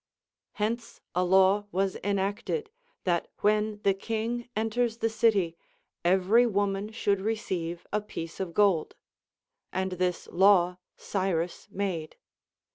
Hence a law was enacted, that Λνΐιεη the king enters the city, every woman should receive a piece of gold ; and this law Cyrus made.